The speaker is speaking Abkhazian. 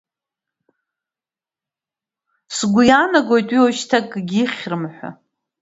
Сгәы иаанагоит уи уажәшьҭа акгьы ихьрым ҳәа!